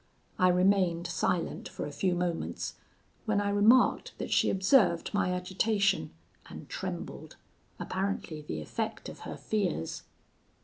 I remained silent for a few moments, when I remarked that she observed my agitation, and trembled: apparently the effect of her fears.